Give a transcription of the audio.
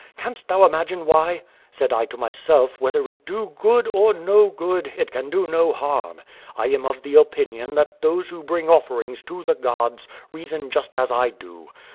Canst thou imagine why? Said I to myself, M'hether it do good, or no good, it can do no harm. I am of the opinion that those who bring offerings to the »^. f I 6 QUO VADI8. gods^ reason just as I do.